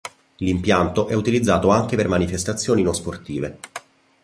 L'impianto è utilizzato anche per manifestazioni non sportive.